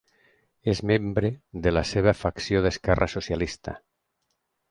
És membre de la seva facció d'esquerra socialista.